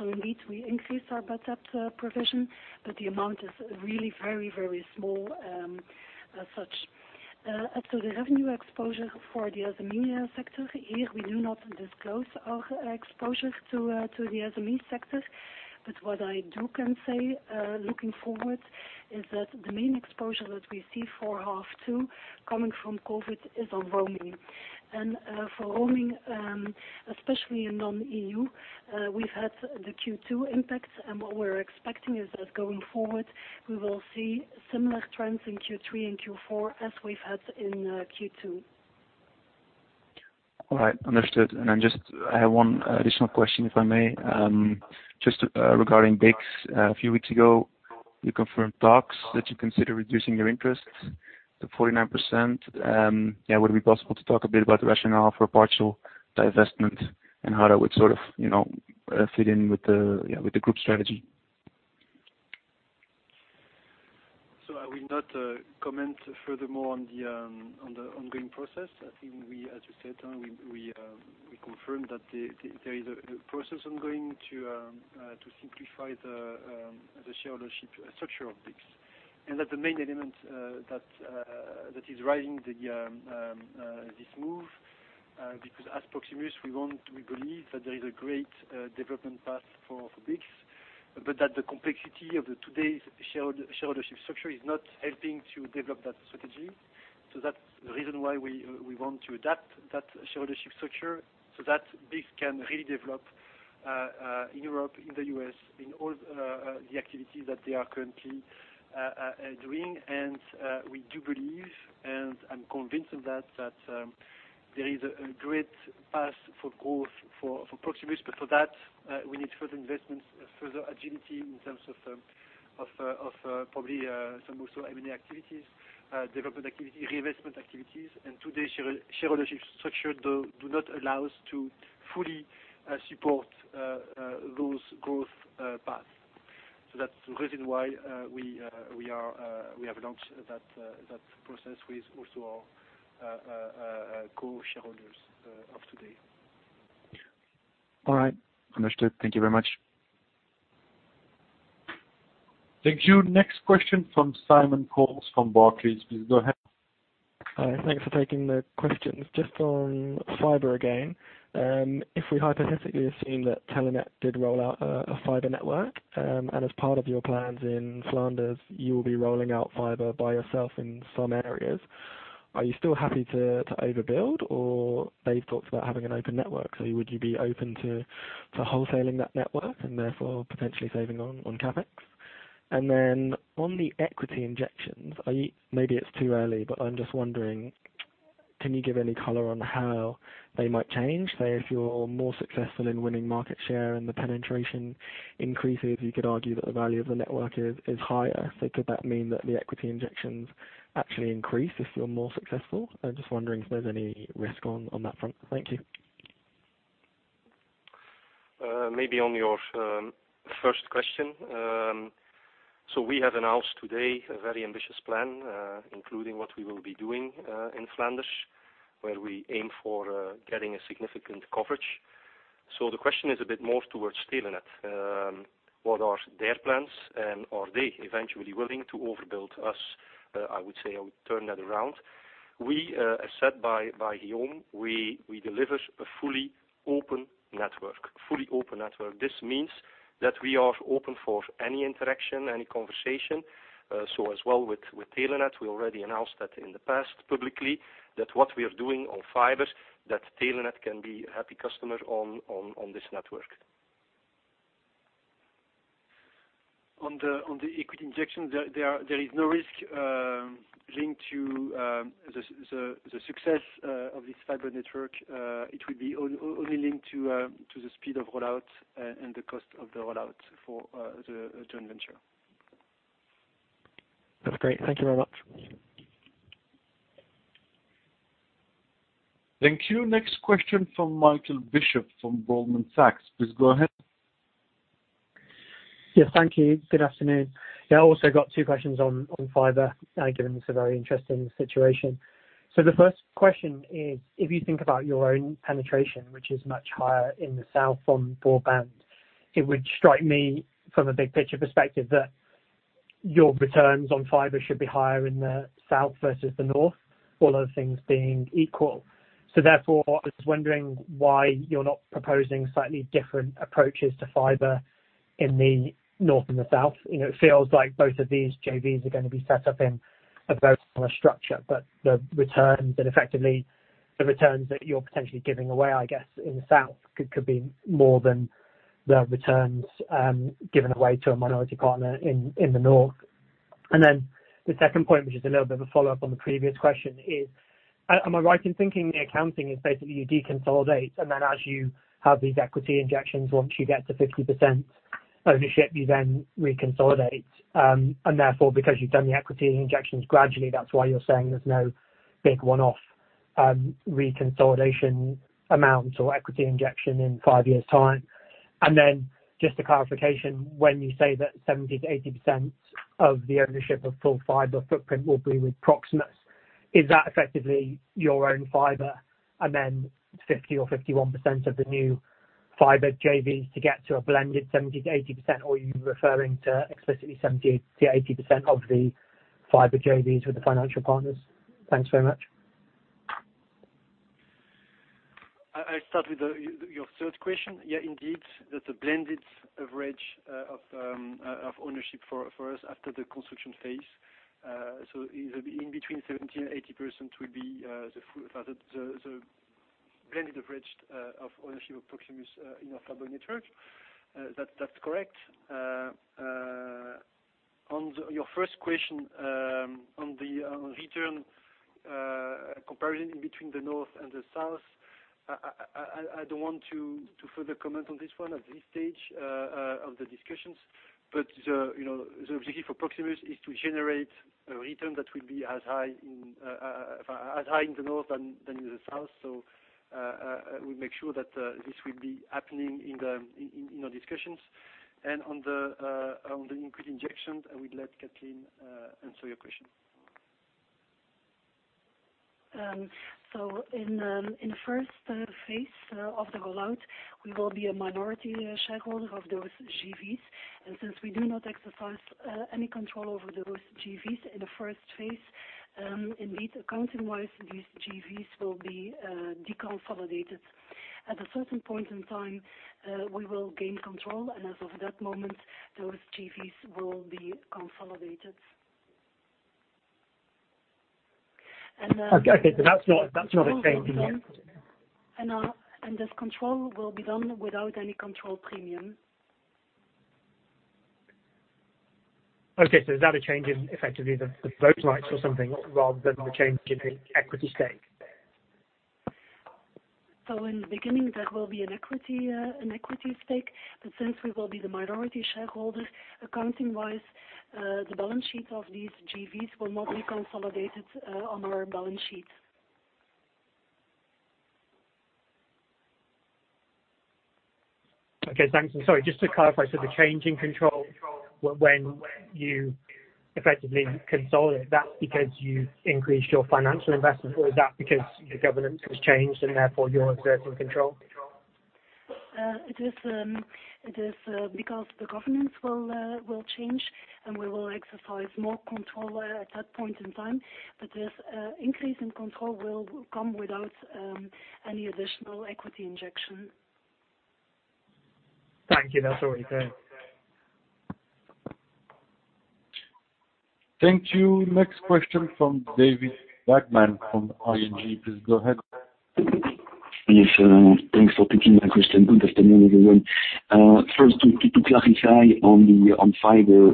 Indeed, we increased our bad debt provision, but the amount is really very small as such. The revenue exposure for the SME sector. Here, we do not disclose our exposure to the SME sector. What I can say, looking forward, is that the main exposure that we see for half two coming from COVID is on roaming. For roaming, especially in non-EU, we've had the Q2 impact. What we're expecting is that going forward, we will see similar trends in Q3 and Q4 as we've had in Q2. All right. Understood. I have one additional question, if I may. Just regarding BICS. A few weeks ago, you confirmed talks that you consider reducing your interest to 49%. Would it be possible to talk a bit about the rationale for a partial divestment and how that would fit in with the group strategy? I will not comment furthermore on the ongoing process. I think as you said, we confirmed that there is a process ongoing to simplify the share ownership structure of BICS, and that the main element that is driving this move, because at Proximus, we believe that there is a great development path for BICS, but that the complexity of today's share ownership structure is not helping to develop that strategy. That's the reason why we want to adapt that share ownership structure so that BICS can really develop in Europe, in the U.S., in all the activities that they are currently doing. We do believe, and I'm convinced of that there is a great path for growth for Proximus. For that, we need further investments, further agility in terms of probably some also M&A activities, development activity, reinvestment activities. Today's share ownership structure do not allow us to fully support those growth paths. That's the reason why we have launched that process with also our co-shareholders of today. All right. Understood. Thank you very much. Thank you. Next question from Simon Coles from Barclays. Please go ahead. Thanks for taking the questions. Just on fiber again. If we hypothetically assume that Telenet did roll out a fiber network, as part of your plans in Flanders, you will be rolling out fiber by yourself in some areas, are you still happy to overbuild, or they've talked about having an open network, would you be open to wholesaling that network and therefore potentially saving on CapEx? Then on the equity injections, maybe it's too early, but I'm just wondering, can you give any color on how they might change? Say, if you're more successful in winning market share and the penetration increases, you could argue that the value of the network is higher. Could that mean that the equity injections actually increase if you're more successful? I'm just wondering if there's any risk on that front. Thank you. Maybe on your first question. We have announced today a very ambitious plan, including what we will be doing in Flanders, where we aim for getting a significant coverage. The question is a bit more towards Telenet. What are their plans, and are they eventually willing to overbuild us? I would say I would turn that around. As said by Guillaume, we deliver a fully open network. This means that we are open for any interaction, any conversation. As well with Telenet, we already announced that in the past publicly, that what we are doing on fibers, that Telenet can be a happy customer on this network. On the equity injections, there is no risk linked to the success of this fiber network. It will be only linked to the speed of rollout and the cost of the rollout for the joint venture. That's great. Thank you very much. Thank you. Next question from Michael Bishop from Goldman Sachs. Please go ahead. Yes, thank you. Good afternoon. I also got two questions on fiber, given it's a very interesting situation. The first question is, if you think about your own penetration, which is much higher in the south on broadband, it would strike me from a big picture perspective that your returns on fiber should be higher in the south versus the north, all other things being equal. Therefore, I was wondering why you're not proposing slightly different approaches to fiber in the north and the south. It feels like both of these JVs are going to be set up in a structure, but the returns, and effectively the returns that you're potentially giving away, I guess, in the south could be more than the returns given away to a minority partner in the north. The second point, which is a little bit of a follow-up on the previous question, is am I right in thinking the accounting is basically you deconsolidate, and then as you have these equity injections, once you get to 50% ownership, you then reconsolidate, and therefore, because you've done the equity injections gradually, that's why you're saying there's no big one-off reconsolidation amount or equity injection in five years' time? Just a clarification, when you say that 70%-80% of the ownership of full fiber footprint will be with Proximus, is that effectively your own fiber and then 50% or 51% of the new. Fiber JVs to get to a blended 70%-80%, or are you referring to explicitly 70%-80% of the fiber JVs with the financial partners? Thanks very much. I'll start with your third question. Yeah, indeed. That's a blended average of ownership for us after the construction phase. In between 70% and 80% will be the blended average of ownership of Proximus in our fiber network. That's correct. On your first question on the return comparison in between the North and the South, I don't want to further comment on this one at this stage of the discussions. The objective for Proximus is to generate a return that will be as high in the North than in the South. We make sure that this will be happening in our discussions. On the increased injections, I will let Katleen answer your question. In the first phase of the rollout, we will be a minority shareholder of those JVs. Since we do not exercise any control over those JVs in the first phase, indeed, accounting-wise, these JVs will be deconsolidated. At a certain point in time, we will gain control, and as of that moment, those JVs will be consolidated. Okay. That's not a change. This control will be done without any control premium. Is that a change in effectively the vote rights or something rather than the change in equity stake? In the beginning, that will be an equity stake. Since we will be the minority shareholder, accounting-wise, the balance sheet of these JVs will not be consolidated on our balance sheet. Okay, thanks. Sorry, just to clarify, the change in control when you effectively consolidate, that's because you increased your financial investment or is that because the governance has changed and therefore you're exerting control? It is because the governance will change, and we will exercise more control at that point in time. This increase in control will come without any additional equity injection. Thank you. That's all right then. Thank you. Next question from David Vagman from ING. Please go ahead. Thanks for taking my question. Good afternoon, everyone. To clarify on fiber,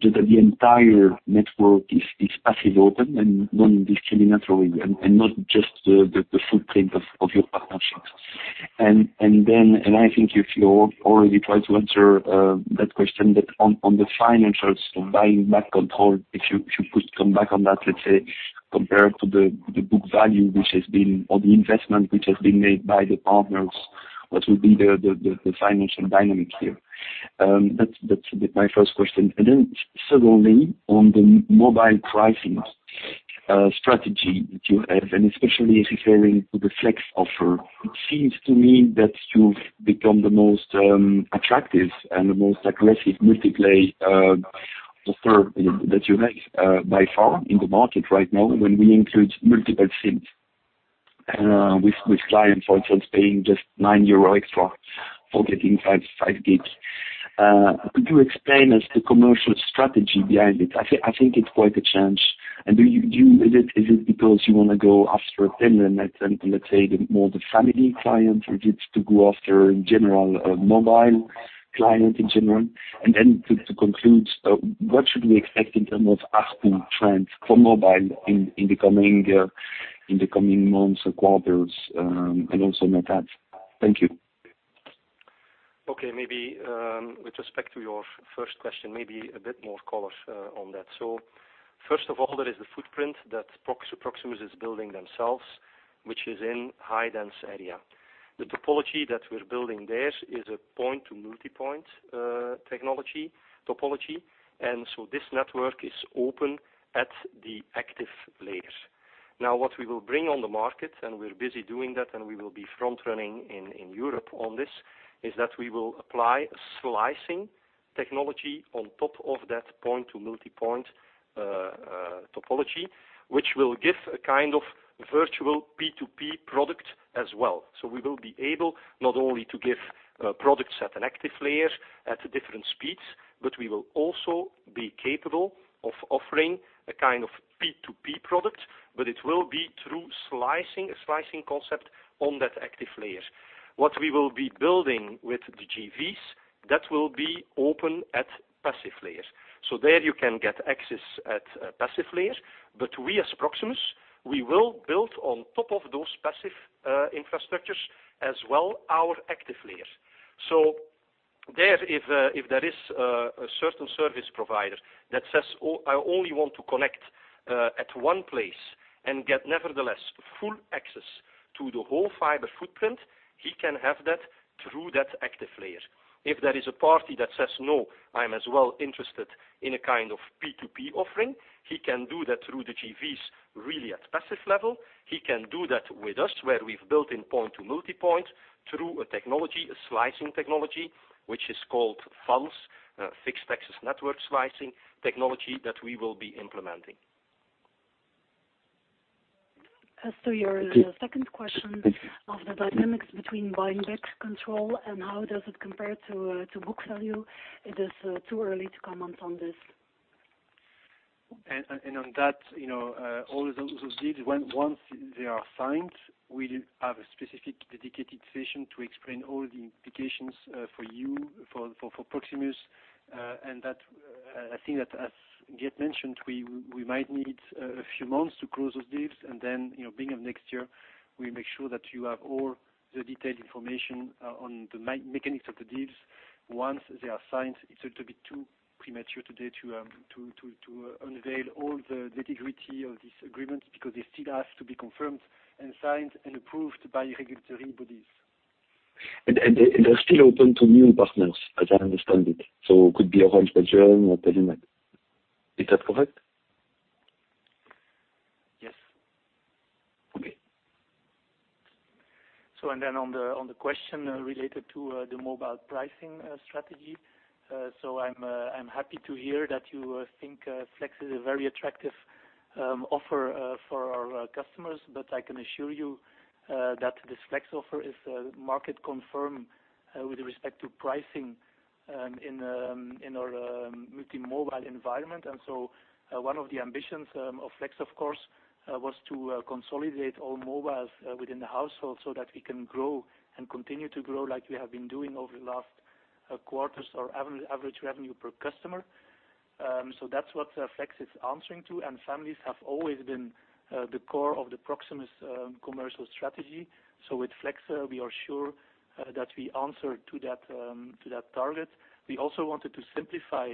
just that the entire network is passive open and one naturally, and not just the footprint of your partnerships. I think you already tried to answer that question, but on the financials, buying back control, if you could come back on that, let's say, compared to the book value or the investment which has been made by the partners, what will be the financial dynamic here? That's my first question. Secondly, on the mobile pricing strategy that you have, especially referring to the Flex offer. It seems to me that you've become the most attractive and the most aggressive multi-play offer that you have by far in the market right now, when we include multiple SIM with clients, for instance, paying just 9 euro extra for getting 5 GB. Could you explain us the commercial strategy behind it? I think it's quite a change. Is it because you want to go after a different net and let's say the more the family client, or it's to go after general mobile client in general? To conclude, what should we expect in terms of ARPU trends for mobile in the coming months or quarters, and also net add? Thank you. Okay. With respect to your first question, maybe a bit more color on that. First of all, there is the footprint that Proximus is building themselves, which is in high-dense area. The topology that we're building there is a point-to-multipoint technology topology. This network is open at the active layer. Now, what we will bring on the market, and we're busy doing that, and we will be front running in Europe on this, is that we will apply slicing technology on top of that point-to-multipoint topology, which will give a kind of virtual P2P product as well. We will be able not only to give products at an active layer at different speeds, but we will also be capable of offering a kind of P2P product, but it will be through a slicing concept on that active layer. What we will be building with the JVs, that will be open at passive layer. There you can get access at passive layer, but we as Proximus, we will build on top of those passive infrastructures as well our active layer. There, if there is a certain service provider that says, "I only want to connect At one place and get nevertheless full access to the whole fiber footprint, he can have that through that active layer. If there is a party that says, "No, I'm as well interested in a P2P offering," he can do that through the JVs really at passive level. He can do that with us, where we've built in point-to-multipoint through a technology, a slicing technology, which is called FANS, fixed access network slicing technology that we will be implementing. As to your second question of the dynamics between buying back control and how does it compare to book value, it is too early to comment on this. On that, all those deals, once they are signed, we have a specific dedicated session to explain all the implications for you, for Proximus. I think that as Geert mentioned, we might need a few months to close those deals, and then, beginning of next year, we make sure that you have all the detailed information on the mechanics of the deals once they are signed. It's a little bit too premature today to unveil all the nitty-gritty of this agreement, because they still have to be confirmed and signed and approved by regulatory bodies. They're still open to new partners, as I understand it. Could be Orange Belgium or Telenet. Is that correct? Yes. Okay. On the question related to the mobile pricing strategy. I'm happy to hear that you think Flex is a very attractive offer for our customers. I can assure you that this Flex offer is market confirmed with respect to pricing in our multi-mobile environment. One of the ambitions of Flex, of course, was to consolidate all mobiles within the household so that we can grow and continue to grow like we have been doing over the last quarters, our average revenue per customer. That's what Flex is answering to. Families have always been the core of the Proximus commercial strategy. With Flex, we are sure that we answer to that target. We also wanted to simplify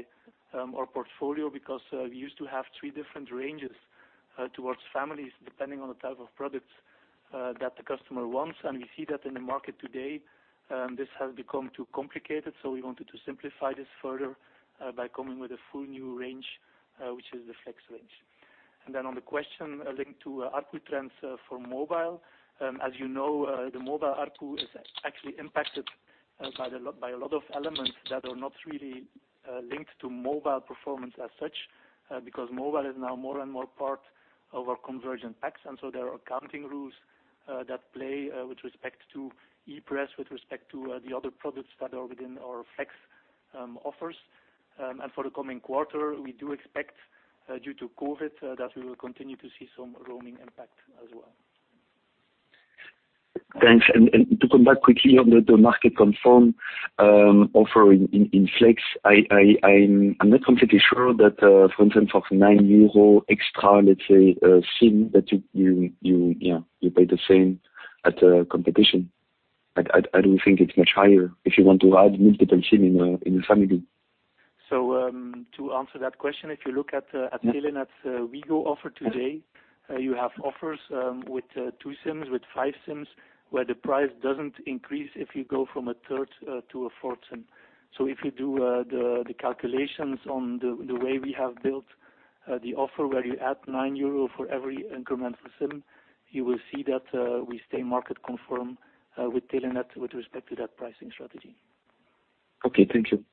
our portfolio because we used to have three different ranges towards families, depending on the type of products that the customer wants. We see that in the market today, this has become too complicated. We wanted to simplify this further by coming with a full new range, which is the Flex range. Then on the question linked to ARPU trends for mobile. As you know, the mobile ARPU is actually impacted by a lot of elements that are not really linked to mobile performance as such, because mobile is now more and more part of our convergent packs. So there are accounting rules that play with respect to IFRS, with respect to the other products that are within our Flex offers. For the coming quarter, we do expect due to COVID, that we will continue to see some roaming impact as well. Thanks. To come back quickly on the market confirm offer in Flex. I'm not completely sure that for instance, for 9 euro extra, let's say, SIM that you pay the same at competition. I don't think it's much higher if you want to add multiple SIM in a family. To answer that question, if you look at Telenet's WIGO offer today. You have offers with two SIMs, with five SIMs, where the price doesn't increase if you go from a third to a fourth SIM. If you do the calculations on the way we have built the offer where you add 9 euro for every incremental SIM, you will see that we stay market confirmed with Telenet with respect to that pricing strategy. Okay, thank you.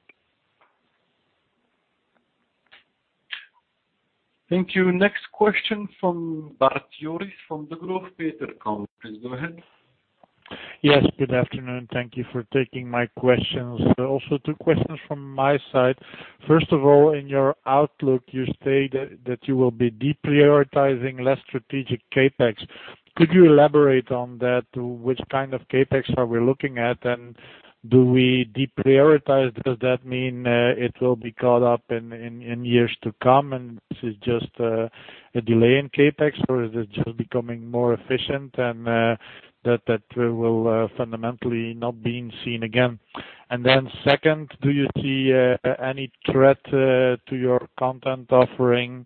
Thank you. Next question from Bart Jooris from Degroof Petercam. Please go ahead. Yes, good afternoon. Thank you for taking my questions. Two questions from my side. First of all, in your outlook, you state that you will be deprioritizing less strategic CapEx. Could you elaborate on that? Which kind of CapEx are we looking at? Do we deprioritize, does that mean it will be caught up in years to come, and this is just a delay in CapEx? Is this just becoming more efficient and that will fundamentally not being seen again? Second, do you see any threat to your content offering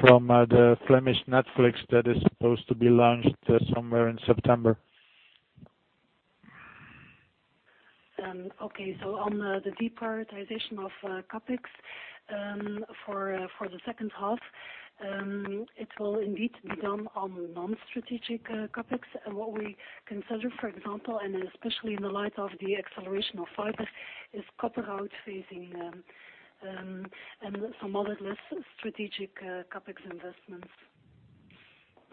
from the Flemish Netflix that is supposed to be launched somewhere in September? Okay. On the deprioritization of CapEx. For the second half, it will indeed be done on non-strategic CapEx. What we consider, for example, and especially in the light of the acceleration of fiber, is copper outphasing and some other less strategic CapEx investments.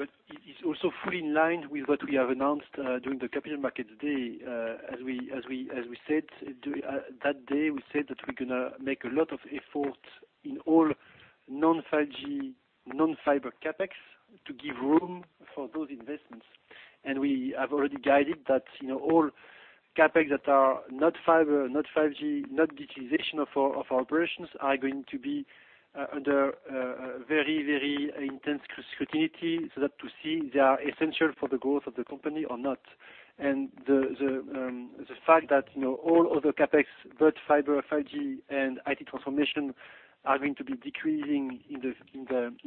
It's also fully in line with what we have announced during the Capital Markets Day. That day, we said that we're going to make a lot of effort in all non-5G, non-fiber CapEx to give room for those investments. We have already guided that all CapEx that are not fiber, not 5G, not digitalization of our operations, are going to be under very intense scrutiny, so that to see they are essential for the growth of the company or not. The fact that all other CapEx, both fiber, 5G, and IT transformation are going to be decreasing in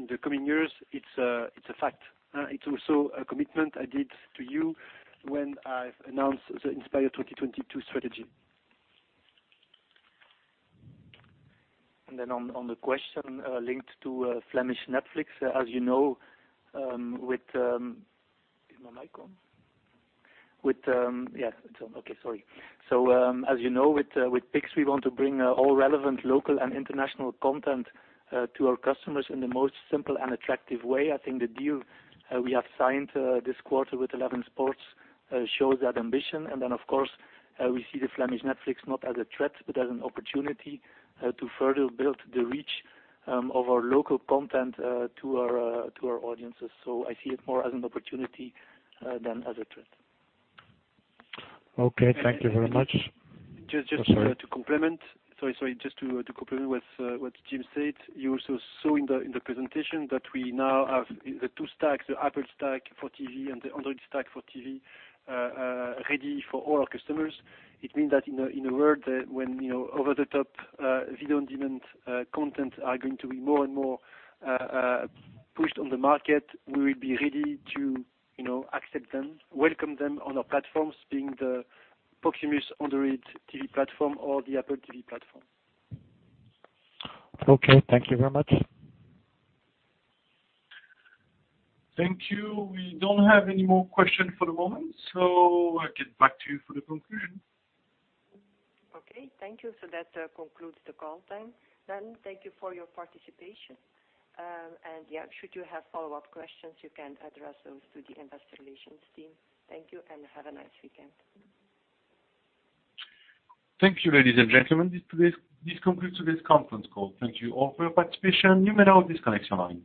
the coming years, it's a fact. It's also a commitment I did to you when I announced the Inspire 2022 Strategy. On the question linked to Flemish Netflix, as you know, with Is my mic on? Yeah, it's on. Okay, sorry. As you know, with Pickx, we want to bring all relevant local and international content to our customers in the most simple and attractive way. I think the deal we have signed this quarter with Eleven Sports shows that ambition. Of course, we see the Flemish Netflix not as a threat, but as an opportunity to further build the reach of our local content to our audiences. I see it more as an opportunity than as a threat. Okay. Thank you very much. Just to complement. Sorry. Just to complement what Jim said. You also saw in the presentation that we now have the two stacks, the Apple stack for TV and the Android stack for TV, ready for all our customers. It means that in a world when over-the-top video on-demand content are going to be more and more pushed on the market, we will be ready to accept them, welcome them on our platforms, being the Proximus Android TV platform or the Apple TV platform. Okay. Thank you very much. Thank you. We don't have any more questions for the moment, so I'll get back to you for the conclusion. Okay. Thank you. That concludes the call. Thank you for your participation. Should you have follow-up questions, you can address those to the Investor Relations team. Thank you, and have a nice weekend. Thank you, ladies and gentlemen. This concludes today's conference call. Thank you all for your participation. You may now disconnect your line.